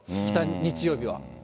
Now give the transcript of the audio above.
日曜日は。